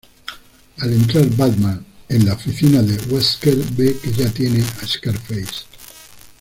Al entrar Batman a la oficina de Wesker ve que ya tiene a Scarface.